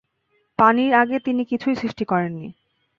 পানির আগে তিনি কিছুই সৃষ্টি করেননি।